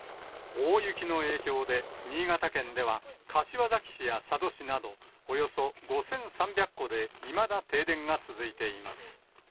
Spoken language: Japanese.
大雪の影響で、新潟県では柏崎市や佐渡市など、およそ５３００戸でいまだ停電が続いています。